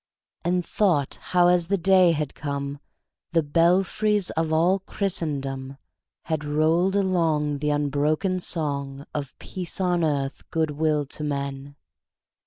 And thought how, as the day had come, The belfries of all Christendom Had rolled along The unbroken song Of peace on earth, good will to men!